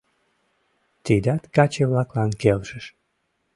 Тидат каче-влаклан келшыш.